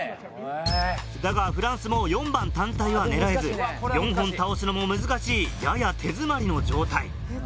だがフランスも４番単体は狙えず４本倒すのも難しいやや手詰まりの状態。